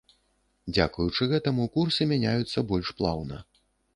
Дзякуючы гэтаму курсы мяняюцца больш плаўна.